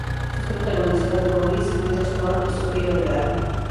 Es protagonizada por Reese Witherspoon y Sofía Vergara.